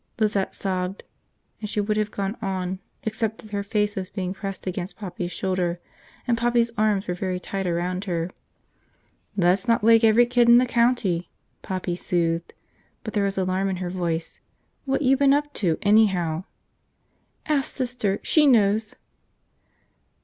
Lizette sobbed, and she would have gone on except that her face was being pressed against Poppy's shoulder and Poppy's arms were very tight around her. "Let's not wake every kid in the county," Poppy soothed, but there was alarm in her voice. "What you been up to, anyhow?" "Ask Sister! She knows!"